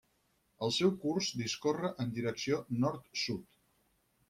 El seu curs discorre en direcció nord-sud.